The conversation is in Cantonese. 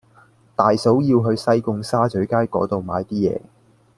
大嫂要去西貢沙咀街嗰度買啲嘢